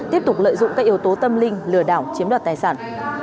tiếp tục lợi dụng các yếu tố tâm linh lừa đảo chiếm đoạt tài sản